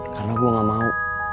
karena gue gak mau